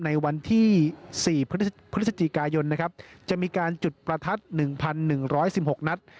ในวันที่สี่พฤษจิกายนนะครับจะมีการจุดประทัดหนึ่งพันหนึ่งร้อยสิบหกนัด